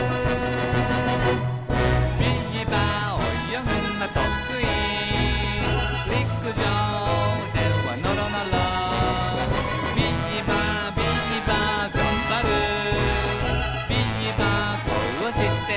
「ビーバーおよぐのとくい」「陸上ではのろのろ」「ビーバービーバーがんばる」「ビーバーこうして生きる」